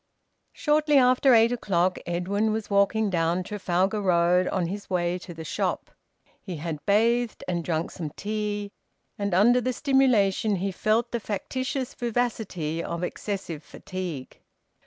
Shortly after eight o'clock Edwin was walking down Trafalgar Road on his way to the shop. He had bathed, and drunk some tea, and under the stimulation he felt the factitious vivacity of excessive fatigue.